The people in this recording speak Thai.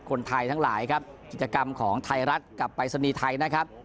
คนไทยทั้งหลายครับกิจกรรมของไทยรัฐกับปรายศนีย์ไทยนะครับ